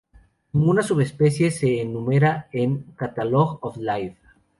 Ninguna subespecie se enumera en "Catalogue of Life".